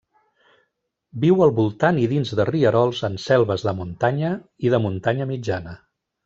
Viu al voltant i dins de rierols en selves de muntanya i de muntanya mitjana.